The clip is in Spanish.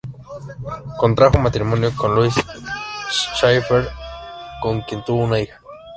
Contrajo matrimonio con Louise Schaeffer, con quien tuvo una hija.